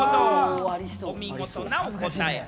お見事なお答え。